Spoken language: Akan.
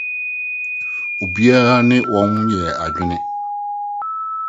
Obiara ne wɔn yɛɛ adwene.